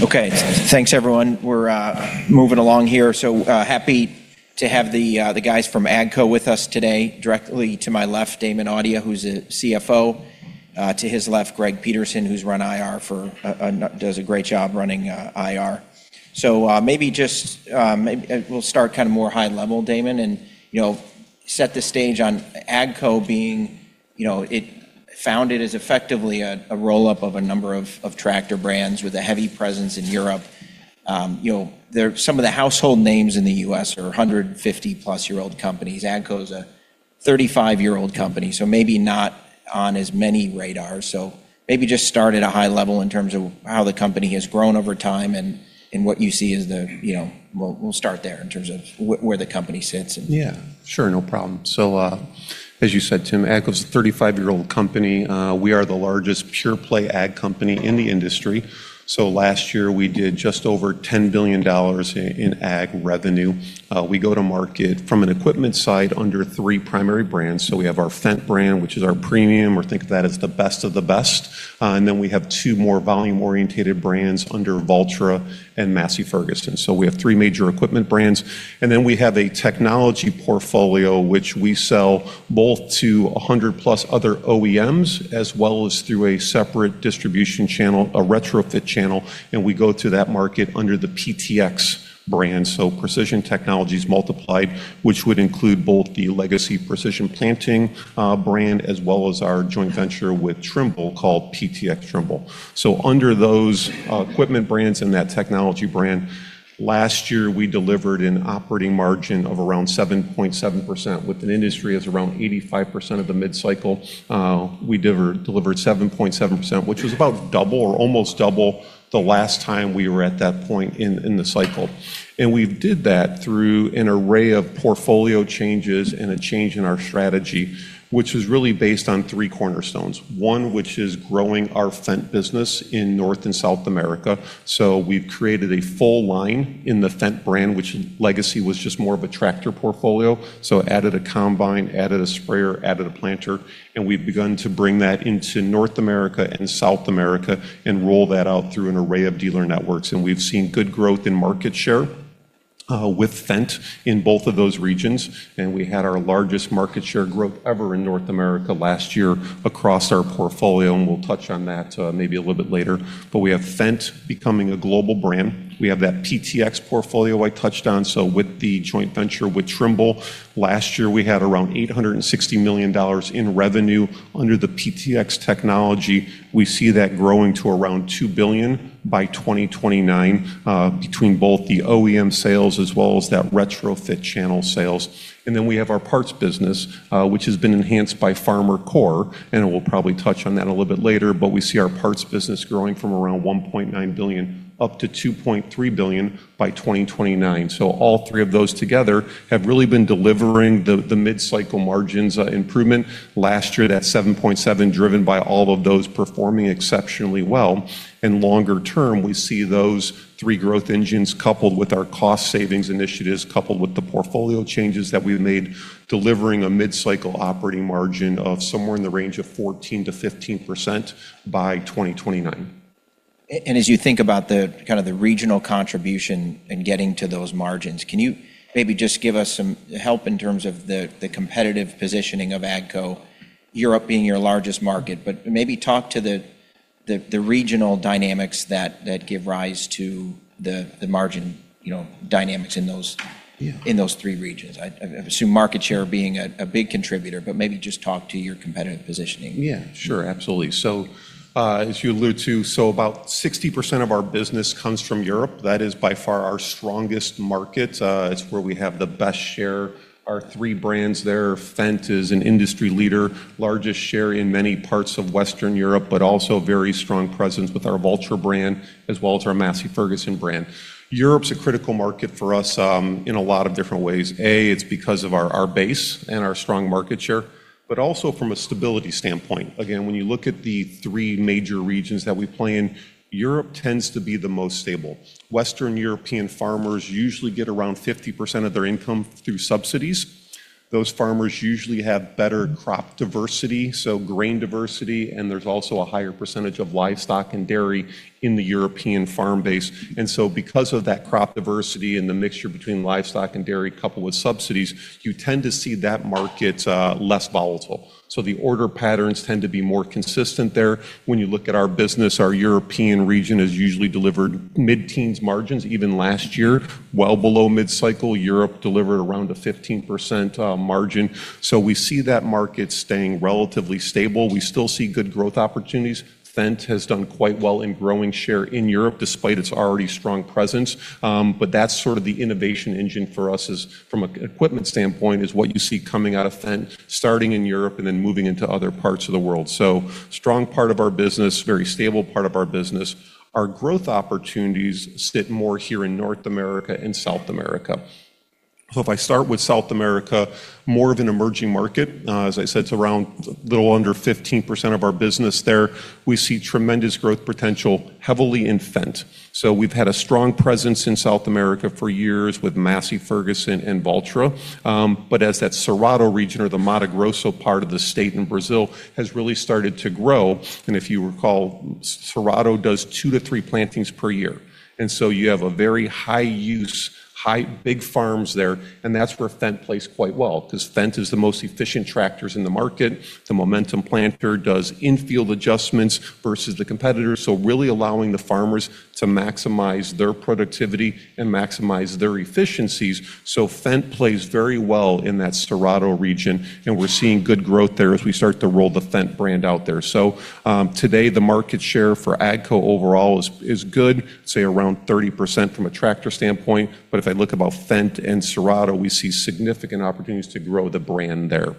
Okay. Thanks everyone. We're moving along here. Happy to have the guys from AGCO with us today. Directly to my left, Damon Audia, who's a Chief Financial Officer. To his left, Greg Peterson, who's run Investor Relations for, does a great job running Investor Relations. Maybe we'll start kind of more high level, Damon, and, you know, set the stage on AGCO being, you know, it founded as effectively a roll-up of a number of tractor brands with a heavy presence in Europe. You know, some of the household names in the U.S. are 150-plus-year-old companies. AGCO's a 35-year-old company, maybe not on as many radars. Maybe just start at a high level in terms of how the company has grown over time and what you see as the, you know, we'll start there in terms of where the company sits and— Yeah. Sure. No problem. As you said, Tim, AGCO's a 35-year-old company. We are the largest pure play ag company in the industry. Last year we did just over $10 billion in ag revenue. We go to market from an equipment side under three primary brands. We have our Fendt brand, which is our premium, or think of that as the best of the best. And then we have two more volume-orientated brands under Valtra and Massey Ferguson. We have three major equipment brands. And then we have a technology portfolio, which we sell both to 100+ other OEMs as well as through a separate distribution channel, a retrofit channel, and we go to that market under the PTx brand. Precision Technologies Multiplied, which would include both the legacy Precision Planting brand, as well as our joint venture with Trimble called PTx Trimble. Under those equipment brands and that technology brand, last year, we delivered an operating margin of around 7.7%. With an industry that's around 85% of the mid-cycle, we delivered 7.7%, which was about double or almost double the last time we were at that point in the cycle. We did that through an array of portfolio changes and a change in our strategy, which was really based on three cornerstones. One, which is growing our Fendt business in North and South America. We've created a full line in the Fendt brand, which legacy was just more of a tractor portfolio. Added a combine, added a sprayer, added a planter, and we've begun to bring that into North America and South America and roll that out through an array of dealer networks. We've seen good growth in market share with Fendt in both of those regions. We had our largest market share growth ever in North America last year across our portfolio, and we'll touch on that maybe a little bit later. We have Fendt becoming a global brand. We have that PTx portfolio I touched on. With the joint venture with Trimble, last year, we had around $860 million in revenue under the PTx technology. We see that growing to around $2 billion by 2029 between both the OEM sales as well as that retrofit channel sales. We have our parts business, which has been enhanced by FarmerCore, and we'll probably touch on that a little bit later. We see our parts business growing from around $1.9 billion up to $2.3 billion by 2029. All three of those together have really been delivering the mid-cycle margins improvement. Last year, that 7.7%, driven by all of those performing exceptionally well. Longer term, we see those three growth engines, coupled with our cost savings initiatives, coupled with the portfolio changes that we've made, delivering a mid-cycle operating margin of somewhere in the range of 14%-15% by 2029. As you think about the kind of the regional contribution in getting to those margins, can you maybe just give us some help in terms of the competitive positioning of AGCO, Europe being your largest market? Maybe talk to the regional dynamics that give rise to the margin, you know, dynamics in those. Yeah. in those three regions. I assume market share being a big contributor, maybe just talk to your competitive positioning? Yeah. Sure. Absolutely. As you allude to, about 60% of our business comes from Europe. That is by far our strongest market. It's where we have the best share. Our three brands there, Fendt is an industry leader, largest share in many parts of Western Europe, but also a very strong presence with our Valtra brand as well as our Massey Ferguson brand. Europe's a critical market for us in a lot of different ways. It's because of our base and our strong market share, but also from a stability standpoint. Again, when you look at the three major regions that we play in, Europe tends to be the most stable. Western European farmers usually get around 50% of their income through subsidies. Those farmers usually have better crop diversity, so grain diversity, and there's also a higher percentage of livestock and dairy in the European farm base. Because of that crop diversity and the mixture between livestock and dairy, coupled with subsidies, you tend to see that market less volatile. The order patterns tend to be more consistent there. When you look at our business, our European region has usually delivered mid-teens margins. Even last year, well below mid-cycle, Europe delivered around a 15% margin. We see that market staying relatively stable. We still see good growth opportunities. Fendt has done quite well in growing share in Europe, despite its already strong presence. That's sort of the innovation engine for us is from equipment standpoint, is what you see coming out of Fendt, starting in Europe and then moving into other parts of the world. Strong part of our business, very stable part of our business. Our growth opportunities sit more here in North America and South America. If I start with South America, more of an emerging market. As I said, it's around a little under 15% of our business there. We see tremendous growth potential heavily in Fendt. We've had a strong presence in South America for years with Massey Ferguson and Valtra. But as that Cerrado region or the Mato Grosso part of the state in Brazil has really started to grow, if you recall, Cerrado does two to three plantings per year. You have a very high use, high big farms there, and that's where Fendt plays quite well because Fendt is the most efficient tractors in the market. The Momentum planter does in-field adjustments versus the competitors. Really allowing the farmers to maximize their productivity and maximize their efficiencies. Fendt plays very well in that Cerrado region, and we're seeing good growth there as we start to roll the Fendt brand out there. Today the market share for AGCO overall is good, say around 30% from a tractor standpoint. If I look about Fendt and Cerrado, we see significant opportunities to grow the brand there.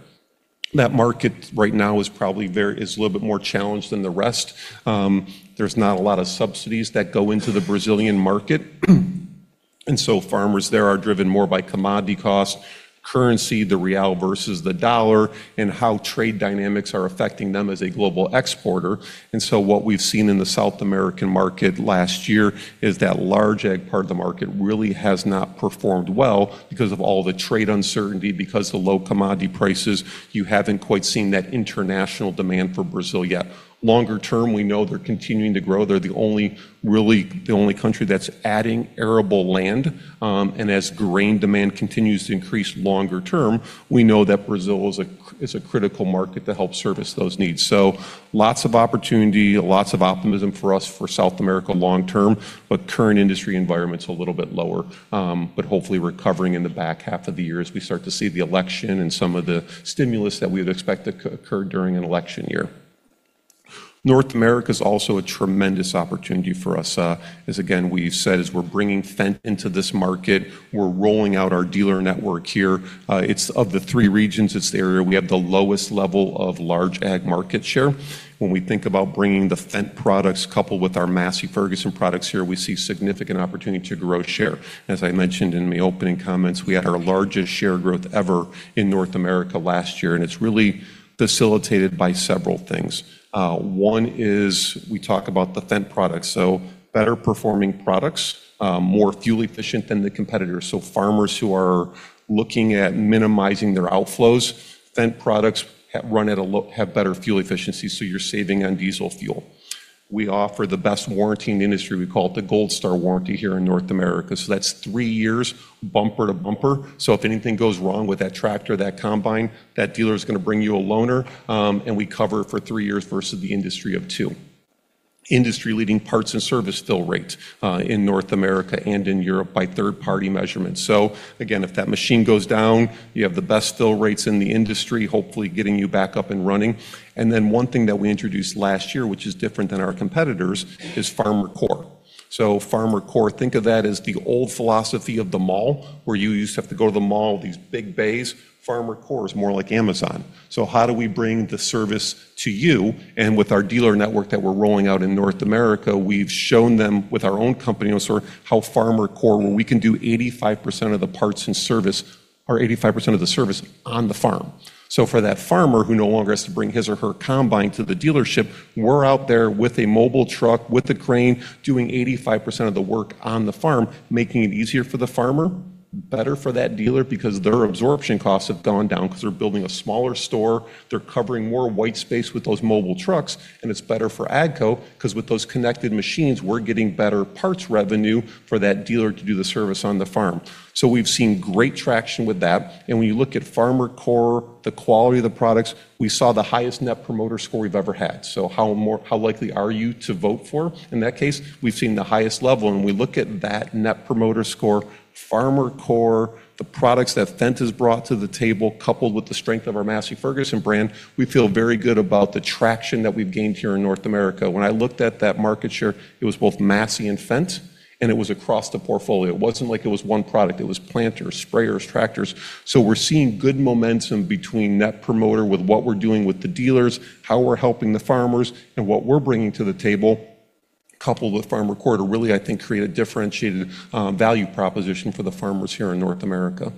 That market right now is probably a little bit more challenged than the rest. There's not a lot of subsidies that go into the Brazilian market, and so farmers there are driven more by commodity cost, currency, the real versus the dollar, and how trade dynamics are affecting them as a global exporter. What we've seen in the South American market last year is that large ag part of the market really has not performed well because of all the trade uncertainty, because the low commodity prices, you haven't quite seen that international demand for Brazil yet. Longer term, we know they're continuing to grow. They're the only country that's adding arable land. As grain demand continues to increase longer term, we know that Brazil is a critical market to help service those needs. Lots of opportunity, lots of optimism for us for South America long term, but current industry environment's a little bit lower, but hopefully recovering in the back half of the year as we start to see the election and some of the stimulus that we would expect to occur during an election year. North America is also a tremendous opportunity for us. As again we've said, as we're bringing Fendt into this market, we're rolling out our dealer network here. It's of the three regions, it's the area we have the lowest level of large ag market share. When we think about bringing the Fendt products coupled with our Massey Ferguson products here, we see significant opportunity to grow share. As I mentioned in the opening comments, we had our largest share growth ever in North America last year, and it's really facilitated by several things. One is we talk about the Fendt products. Better performing products, more fuel efficient than the competitors. Farmers who are looking at minimizing their outflows, Fendt products have better fuel efficiency, you're saving on diesel fuel. We offer the best warranty in the industry. We call it the Gold Star warranty here in North America. That's three years bumper to bumper. If anything goes wrong with that tractor, that combine, that dealer is gonna bring you a loaner, and we cover for three years versus the industry of two. Industry-leading parts and service fill rate in North America and in Europe by third-party measurements. Again, if that machine goes down, you have the best fill rates in the industry, hopefully getting you back up and running. One thing that we introduced last year, which is different than our competitors, is FarmerCore. FarmerCore, think of that as the old philosophy of the mall, where you used to have to go to the mall with these big bays. FarmerCore is more like Amazon. How do we bring the service to you? With our dealer network that we're rolling out in North America, we've shown them with our own company on sort how FarmerCore, where we can do 85% of the parts and service or 85% of the service on the farm. For that farmer who no longer has to bring his or her combine to the dealership, we're out there with a mobile truck, with a crane, doing 85% of the work on the farm, making it easier for the farmer, better for that dealer because their absorption costs have gone down because they're building a smaller store. They're covering more white space with those mobile trucks. It's better for AGCO because with those connected machines, we're getting better parts revenue for that dealer to do the service on the farm. We've seen great traction with that. When you look at Farmer Core, the quality of the products, we saw the highest Net Promoter Score we've ever had. How likely are you to vote for? In that case, we've seen the highest level. When we look at that Net Promoter Score, FarmerCore, the products that Fendt has brought to the table, coupled with the strength of our Massey Ferguson brand, we feel very good about the traction that we've gained here in North America. I looked at that market share, it was both Massey and Fendt, and it was across the portfolio. It wasn't like it was one product. It was planters, sprayers, tractors. We're seeing good momentum between Net Promoter with what we're doing with the dealers, how we're helping the farmers, and what we're bringing to the table coupled with FarmerCore to really, I think, create a differentiated value proposition for the farmers here in North America.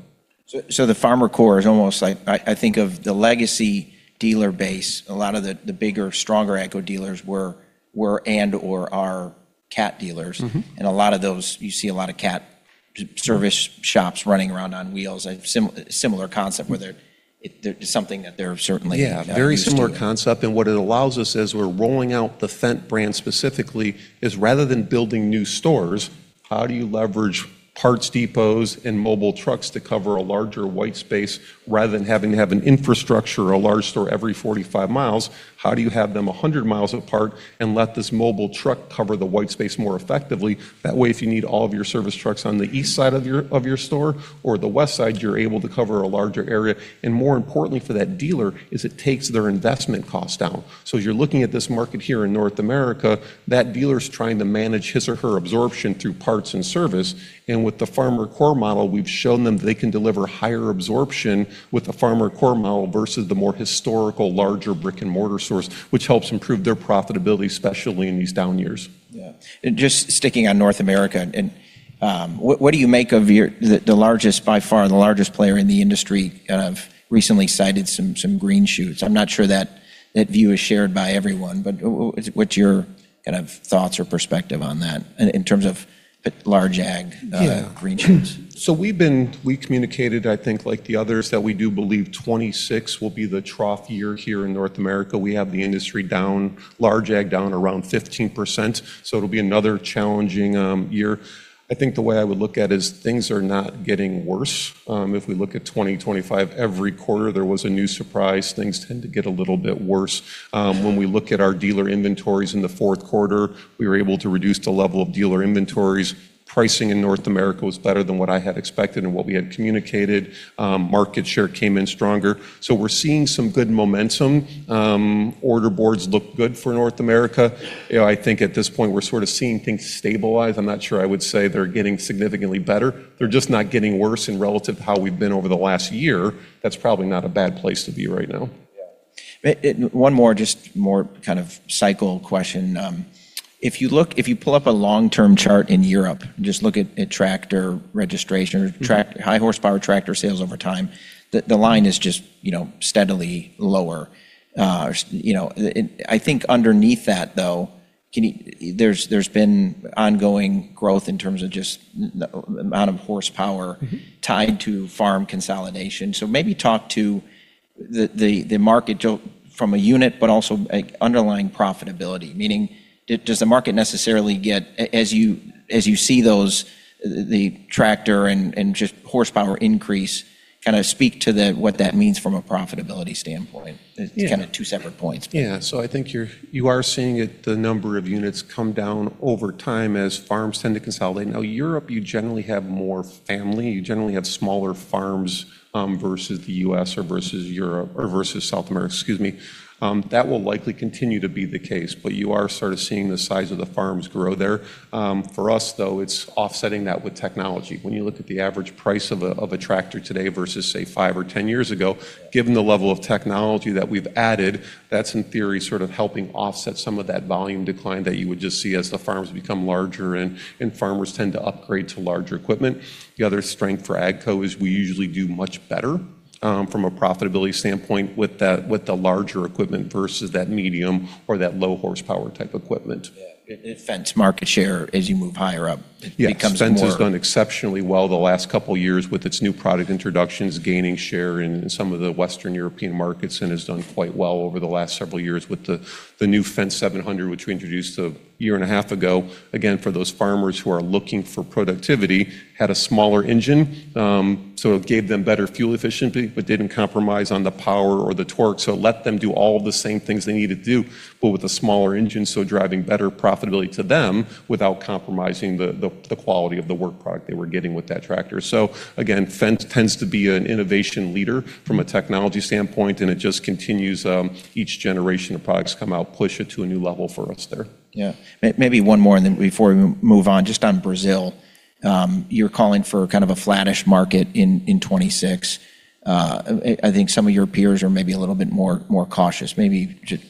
The FarmerCore is almost I think of the legacy dealer base. A lot of the bigger, stronger AGCO dealers were and/or are Cat dealers. A lot of those, you see a lot of Cat service shops running around on wheels. A similar concept where they're something that they're certainly used to. Yeah. Very similar concept. What it allows us as we're rolling out the Fendt brand specifically is rather than building new stores, how do you leverage parts depots and mobile trucks to cover a larger white space rather than having to have an infrastructure or a large store every 45 mi? How do you have them 100 mi apart and let this mobile truck cover the white space more effectively? That way, if you need all of your service trucks on the east side of your store or the west side, you're able to cover a larger area. More importantly for that dealer is it takes their investment cost down. As you're looking at this market here in North America, that dealer's trying to manage his or her absorption through parts and service. With the FarmerCore model, we've shown them they can deliver higher absorption with the FarmerCore model versus the more historical, larger brick-and-mortar stores, which helps improve their profitability, especially in these down years. Just sticking on North America, what do you make of the largest, by far the largest player in the industry have recently cited some green shoots? I'm not sure that that view is shared by everyone, but what is, what's your kind of thoughts or perspective on that in terms of large ag. Yeah. Green shoots? We communicated, I think like the others, that we do believe 2026 will be the trough year here in North America. We have the industry down, large ag down around 15%, it'll be another challenging year. I think the way I would look at is things are not getting worse. If we look at 2025, every quarter there was a new surprise. Things tend to get a little bit worse. When we look at our dealer inventories in the fourth quarter, we were able to reduce the level of dealer inventories. Pricing in North America was better than what I had expected and what we had communicated. Market share came in stronger. We're seeing some good momentum. Order boards look good for North America. You know, I think at this point we're sort of seeing things stabilize. I'm not sure I would say they're getting significantly better. They're just not getting worse. Relative to how we've been over the last year, that's probably not a bad place to be right now. Yeah. It one more, just more kind of cycle question. If you look, if you pull up a long-term chart in Europe, just look at tractor registration or tract. High horsepower tractor sales over time, the line is just, you know, steadily lower. You know, I think underneath that though, there's been ongoing growth in terms of just the amount of horsepower. Tied to farm consolidation. Maybe talk to the market from a unit, but also a underlying profitability. Meaning, does the market necessarily get as you see those, the tractor and just horsepower increase, kind of speak to the, what that means from a profitability standpoint? Yeah. It's kind of two separate points. I think you are seeing it, the number of units come down over time as farms tend to consolidate. Europe, you generally have more family. You generally have smaller farms versus the U.S. or versus Europe, or versus South America, excuse me. That will likely continue to be the case, but you are sort of seeing the size of the farms grow there. For us, though, it's offsetting that with technology. When you look at the average price of a tractor today versus, say, five or 10 years ago, given the level of technology that we've added, that's in theory sort of helping offset some of that volume decline that you would just see as the farms become larger and farmers tend to upgrade to larger equipment. The other strength for AGCO is we usually do much better, from a profitability standpoint with the larger equipment versus that medium or that low horsepower type equipment. Yeah. Fendt's market share as you move higher up. Yeah. It becomes- Fendt has done exceptionally well the last couple years with its new product introductions, gaining share in some of the Western European markets, and has done quite well over the last several years with the new Fendt 700, which we introduced a year and a half ago. Again, for those farmers who are looking for productivity, had a smaller engine, so it gave them better fuel efficiency, but didn't compromise on the power or the torque. It let them do all of the same things they need to do, but with a smaller engine, so driving better profitability to them without compromising the quality of the work product they were getting with that tractor. Fendt tends to be an innovation leader from a technology standpoint, and it just continues, each generation of products come out, push it to a new level for us there. Yeah. Maybe one more and then before we move on, just on Brazil, you're calling for kind of a flattish market in 2026. I think some of your peers are maybe a little bit more cautious. Maybe just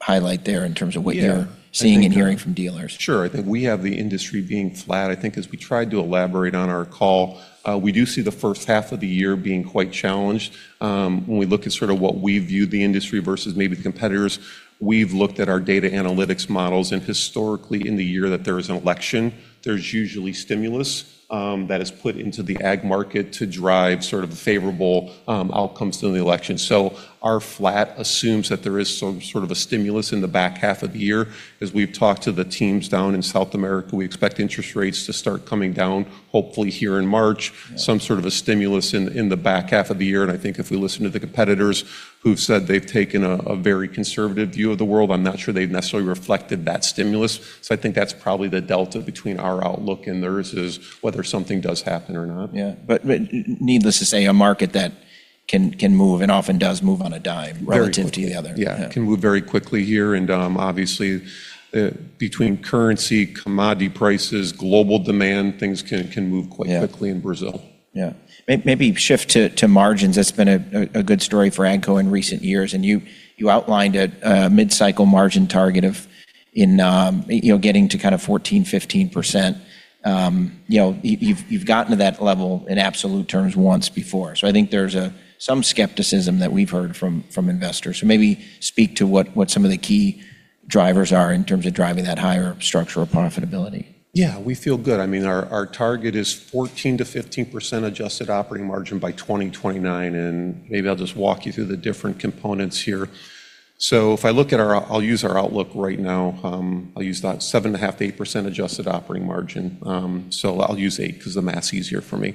highlight there in terms of what you're- Yeah.... seeing and hearing from dealers. Sure. I think we have the industry being flat. I think as we tried to elaborate on our call, we do see the first half of the year being quite challenged. When we look at sort of what we view the industry versus maybe the competitors, we've looked at our data analytics models, and historically, in the year that there is an election, there's usually stimulus that is put into the ag market to drive sort of the favorable outcomes during the election. Our flat assumes that there is sort of a stimulus in the back half of the year. As we've talked to the teams down in South America, we expect interest rates to start coming down, hopefully here in March. Yeah. Some sort of a stimulus in the back half of the year. I think if we listen to the competitors who've said they've taken a very conservative view of the world, I'm not sure they've necessarily reflected that stimulus. I think that's probably the delta between our outlook and theirs, is whether something does happen or not. Yeah. Needless to say, a market that can move and often does move on a dime. Very quickly. Relative to the other. Yeah. Yeah. Can move very quickly here. Obviously, between currency, commodity prices, global demand, things can move quite quickly. Yeah. in Brazil. Yeah. Maybe shift to margins. That's been a good story for AGCO in recent years. You, you outlined a mid-cycle margin target of in, you know, getting to kind of 14%-15%. You know, you've gotten to that level in absolute terms once before. I think there's some skepticism that we've heard from investors. Maybe speak to what some of the key drivers are in terms of driving that higher structural profitability. We feel good. I mean, our target is 14%-15% adjusted operating margin by 2029, and maybe I'll just walk you through the different components here. I'll use our outlook right now. I'll use that 7.5%-8% adjusted operating margin. I'll use eight 'cause the math's easier for me.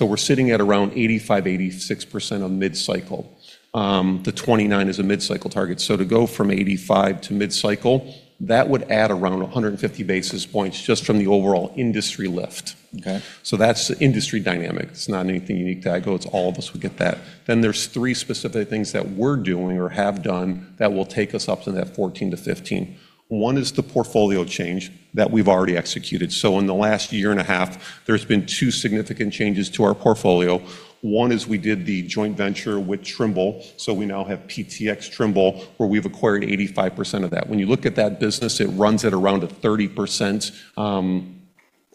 We're sitting at around 85%-86% on mid-cycle. The 2029 is a mid-cycle target. To go from 8.5% to mid-cycle, that would add around 150 basis points just from the overall industry lift. Okay. That's the industry dynamic. It's not anything unique to AGCO. It's all of us would get that. There's three specific things that we're doing or have done that will take us up to that 14%-15%. One is the portfolio change that we've already executed. In the last year and a half, there's been two significant changes to our portfolio. One is we did the joint venture with Trimble. We now have PTx Trimble, where we've acquired 85% of that. When you look at that business, it runs at around a 30%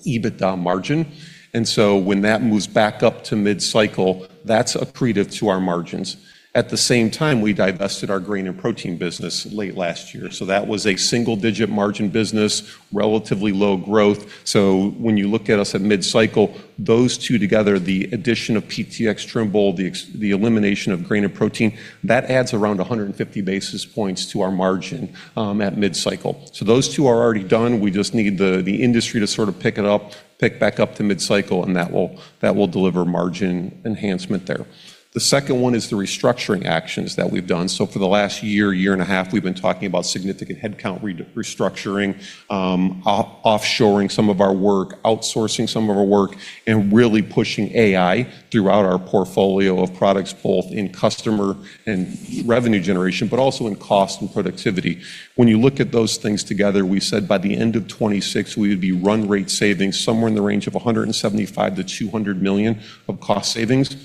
EBITDA margin. When that moves back up to mid-cycle, that's accretive to our margins. At the same time, we divested our Grain & Protein business late last year. That was a single-digit margin business, relatively low growth. When you look at us at mid-cycle, those two together, the addition of PTx Trimble, the elimination of Grain & Protein, that adds around 150 basis points to our margin at mid-cycle. Those two are already done. We just need the industry to sort of pick it up, pick back up to mid-cycle, and that will deliver margin enhancement there. The second one is the restructuring actions that we've done. For the last year and a half, we've been talking about significant headcount restructuring, offshoring some of our work, outsourcing some of our work, and really pushing AI throughout our portfolio of products, both in customer and revenue generation, but also in cost and productivity. When you look at those things together, we said by the end of 2026 we would be run rate savings somewhere in the range of $175 million-$200 million of cost savings. At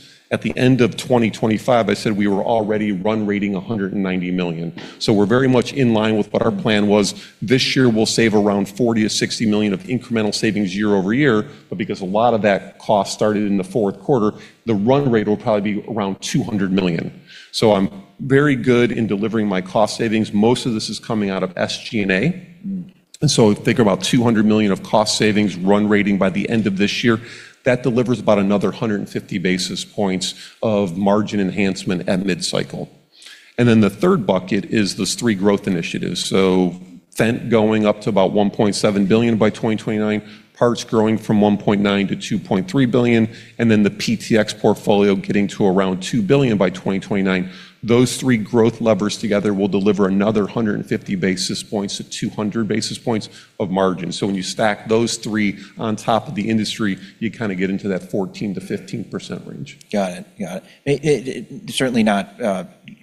the end of 2025, I said we were already run rating $190 million. We're very much in line with what our plan was. This year we'll save around $40 million-$60 million of incremental savings year-over-year. Because a lot of that cost started in the fourth quarter, the run rate will probably be around $200 million. I'm very good in delivering my cost savings. Most of this is coming out of SG&A. Think about $200 million of cost savings run rating by the end of this year. That delivers about another 150 basis points of margin enhancement at mid-cycle. The third bucket is those three growth initiatives. Fendt going up to about $1.7 billion by 2029, parts growing from $1.9 billion-$2.3 billion, and the PTx portfolio getting to around $2 billion by 2029. Those three growth levers together will deliver another 150 basis points-200 basis points of margin. When you stack those three on top of the industry, you kinda get into that 14%-15% range. Got it. Got it. Certainly not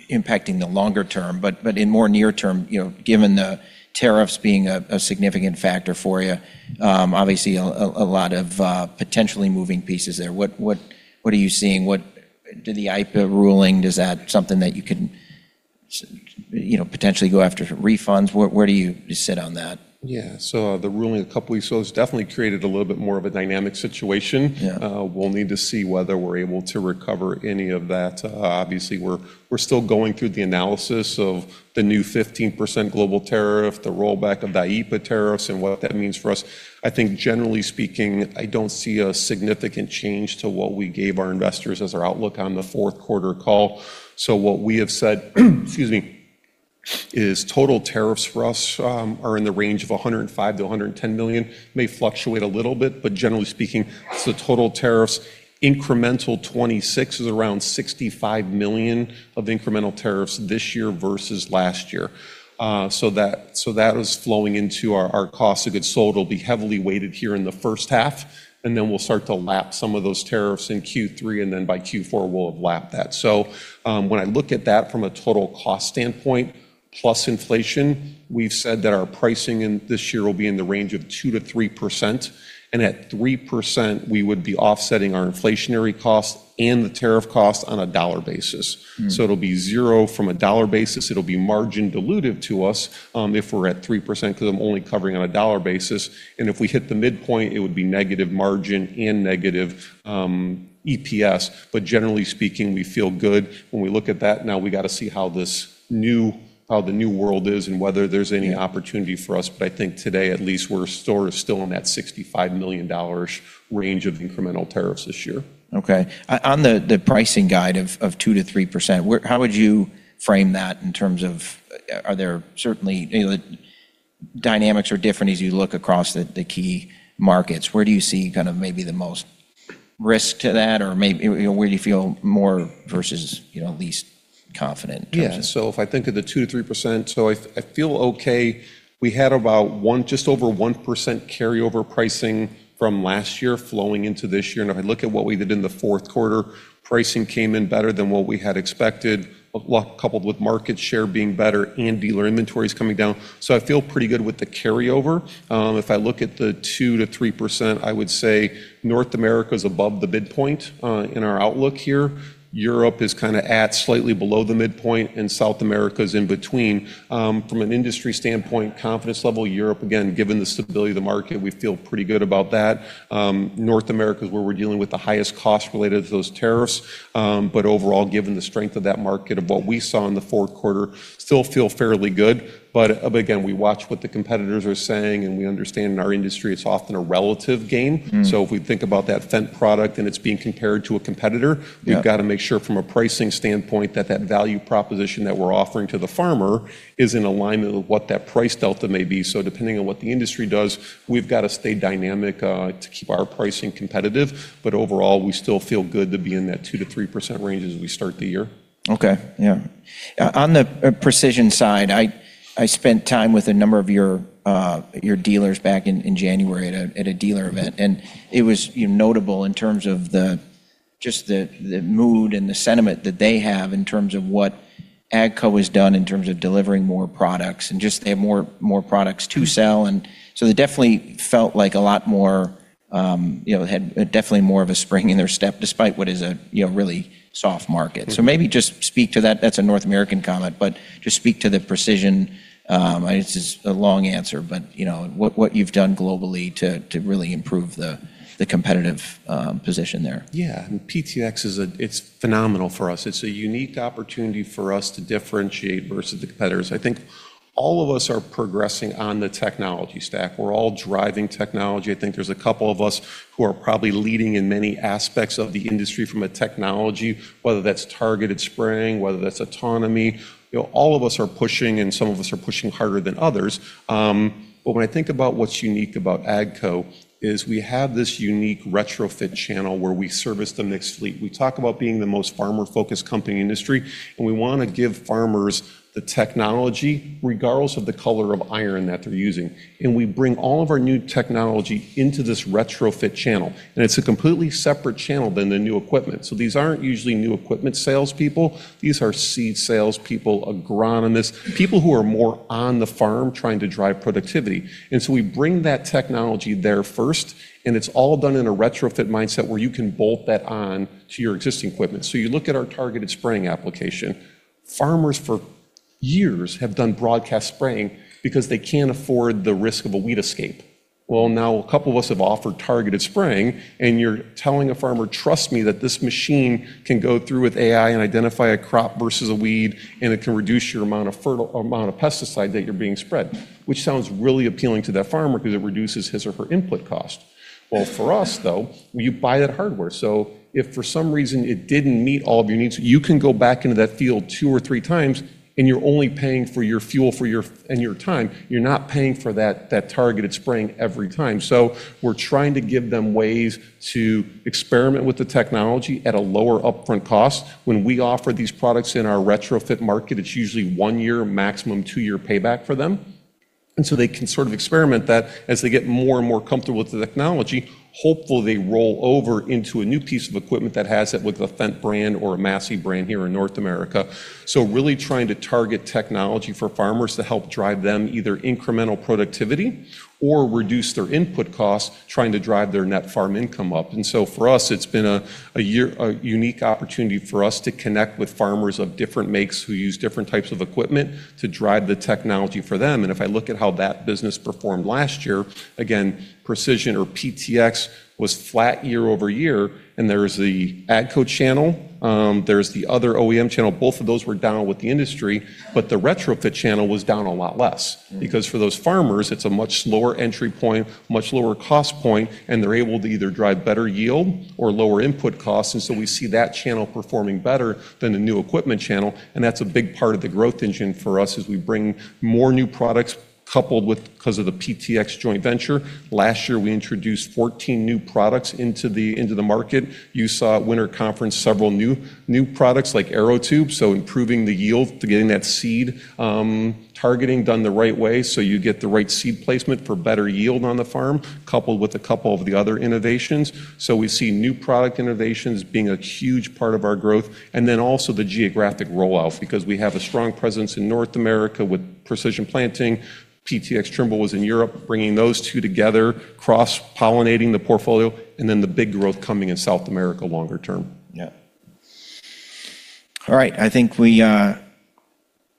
impacting the longer term, but in more near term, you know, given the tariffs being a significant factor for you, obviously a lot of potentially moving pieces there. What are you seeing? Did the IPI ruling, is that something that you can you know, potentially go after refunds? Where do you sit on that? Yeah. The ruling a couple weeks ago has definitely created a little bit more of a dynamic situation. Yeah. We'll need to see whether we're able to recover any of that. Obviously we're still going through the analysis of the new 15% global tariff, the rollback of the IPI tariffs, and what that means for us. I think generally speaking, I don't see a significant change to what we gave our investors as our outlook on the fourth quarter call. What we have said, excuse me, is total tariffs for us are in the range of $105 million-$110 million. May fluctuate a little bit, but generally speaking, total tariffs, incremental 2026 is around $65 million of incremental tariffs this year versus last year. That is flowing into our cost of goods sold. It'll be heavily weighted here in the first half, and then we'll start to lap some of those tariffs in Q3, and then by Q4 we'll have lapped that. When I look at that from a total cost standpoint, plus inflation, we've said that our pricing in this year will be in the range of 2%-3%. At 3% we would be offsetting our inflationary cost and the tariff cost on a dollar basis. It'll be zero from a dollar basis, it'll be margin dilutive to us, if we're at 3% 'cause I'm only covering on a dollar basis. If we hit the midpoint, it would be negative margin and negative EPS. Generally speaking, we feel good when we look at that. We gotta see how the new world is and whether there's any opportunity for us. I think today at least, we're sort of still in that $65 million-ish range of incremental tariffs this year. Okay. On the pricing guide of 2%-3%, how would you frame that in terms of are there certainly. You know, the dynamics are different as you look across the key markets. Where do you see kind of maybe the most risk to that, or you know, where do you feel more versus, you know, least confident in terms of? If I think of the 2%-3%, I feel okay. We had about just over 1% carryover pricing from last year flowing into this year. If I look at what we did in the fourth quarter, pricing came in better than what we had expected. A lot coupled with market share being better and dealer inventories coming down. I feel pretty good with the carryover. If I look at the 2%-3%, I would say North America's above the midpoint in our outlook here. Europe is kind of at slightly below the midpoint, and South America's in between. From an industry standpoint, confidence level, Europe, again, given the stability of the market, we feel pretty good about that. North America is where we're dealing with the highest cost related to those tariffs. Overall, given the strength of that market of what we saw in the fourth quarter, still feel fairly good. Again, we watch what the competitors are saying, and we understand in our industry it's often a relative gain. If we think about that Fendt product and it's being compared to a competitor. Yeah. we've gotta make sure from a pricing standpoint that that value proposition that we're offering to the farmer is in alignment with what that price delta may be. Depending on what the industry does, we've gotta stay dynamic to keep our pricing competitive. Overall, we still feel good to be in that 2%-3% range as we start the year. Okay. Yeah. On, on the precision side, I spent time with a number of your dealers back in January at a, at a dealer event. It was, you know, notable in terms of the, just the mood and the sentiment that they have in terms of what AGCO has done in terms of delivering more products and just they have more products to sell. They definitely felt like a lot more, you know, had definitely more of a spring in their step, despite what is a, you know, really soft market. Maybe just speak to that. That's a North American comment, but just speak to the precision, I know this is a long answer, but, you know, what you've done globally to really improve the competitive position there. I mean, PTx is it's phenomenal for us. It's a unique opportunity for us to differentiate versus the competitors. I think all of us are progressing on the technology stack. We're all driving technology. I think there's a couple of us who are probably leading in many aspects of the industry from a technology, whether that's targeted spraying, whether that's autonomy. You know, all of us are pushing, and some of us are pushing harder than others. When I think about what's unique about AGCO is we have this unique retrofit channel where we service the mixed fleet. We talk about being the most farmer-focused company in industry, we wanna give farmers the technology regardless of the color of iron that they're using. We bring all of our new technology into this retrofit channel, it's a completely separate channel than the new equipment. These aren't usually new equipment salespeople. These are seed salespeople, agronomists, people who are more on the farm trying to drive productivity. We bring that technology there first, and it's all done in a retrofit mindset where you can bolt that on to your existing equipment. You look at our targeted spraying application. Farmers for years have done broadcast spraying because they can't afford the risk of a weed escape. Now a couple of us have offered targeted spraying, and you're telling a farmer, "Trust me that this machine can go through with AI and identify a crop versus a weed, and it can reduce your amount of pesticide that you're being spread," which sounds really appealing to that farmer because it reduces his or her input cost. For us, though, you buy that hardware. If for some reason it didn't meet all of your needs, you can go back into that field two or three times, and you're only paying for your fuel and your time. You're not paying for that targeted spraying every time. We're trying to give them ways to experiment with the technology at a lower upfront cost. When we offer these products in our retrofit market, it's usually one year, maximum two-year payback for them. They can sort of experiment that. As they get more and more comfortable with the technology, hopefully they roll over into a new piece of equipment that has it with a Fendt brand or a Massey brand here in North America. Really trying to target technology for farmers to help drive them either incremental productivity or reduce their input costs, trying to drive their net farm income up. For us, it's been a unique opportunity for us to connect with farmers of different makes who use different types of equipment to drive the technology for them. If I look at how that business performed last year, again, Precision or PTx was flat year-over-year. There is the AGCO channel, there's the other OEM channel. Both of those were down with the industry, but the retrofit channel was down a lot less. For those farmers, it's a much lower entry point, much lower cost point, and they're able to either drive better yield or lower input costs. We see that channel performing better than the new equipment channel, and that's a big part of the growth engine for us as we bring more new products coupled with because of the PTx joint venture. Last year, we introduced 14 new products into the market. You saw at Winter Conference several new products like AeroTube, so improving the yield to getting that seed targeting done the right way so you get the right seed placement for better yield on the farm, coupled with a couple of the other innovations. We see new product innovations being a huge part of our growth. Also the geographic rollout because we have a strong presence in North America with Precision Planting. PTx Trimble was in Europe, bringing those two together, cross-pollinating the portfolio, and then the big growth coming in South America longer term. Yeah. All right. I think we hit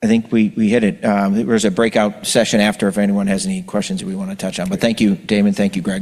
it. There's a breakout session after if anyone has any questions that we wanna touch on. Thank you, Damon. Thank you, Greg.